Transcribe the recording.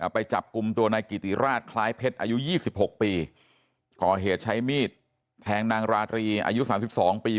ไปจับกลุ่มตัวนายกิติราชคล้ายเพชรอายุ๒๖ปีก่อเหตุใช้มีดแทงนางราตรีอายุ๓๒ปี